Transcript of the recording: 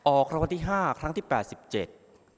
ออกคำวัติห้าครั้งที่แปดสิบเจ็ด